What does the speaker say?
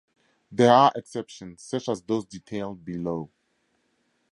There are exceptions, such as those detailed below.